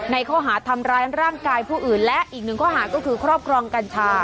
ในข้อหาทำร้ายร่างกายผู้อื่นและอีกหนึ่งข้อหาก็คือครอบครองกัญชา